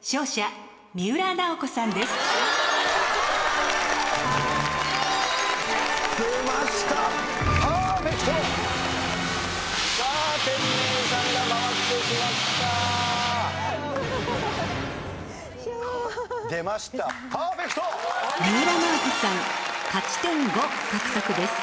三浦奈保子さん勝ち点５獲得です。